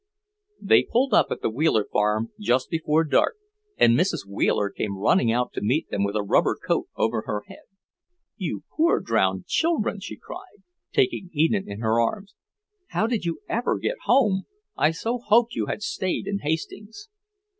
They pulled up at the Wheeler farm just before dark, and Mrs. Wheeler came running out to meet them with a rubber coat over her head. "You poor drowned children!" she cried, taking Enid in her arms. "How did you ever get home? I so hoped you had stayed in Hastings."